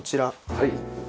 はい。